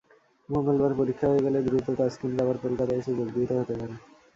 মঙ্গলবার পরীক্ষা হয়ে গেলে দ্রুত তাসকিনকে আবার কলকাতায় এসে যোগ দিতে হতে পারে।